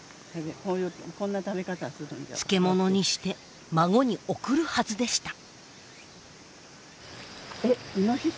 漬物にして孫に送るはずでした。